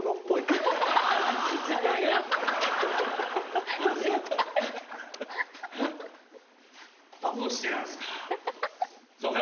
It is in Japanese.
・どうしてなんですか・総監！